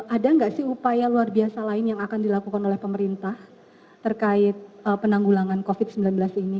ada nggak sih upaya luar biasa lain yang akan dilakukan oleh pemerintah terkait penanggulangan covid sembilan belas ini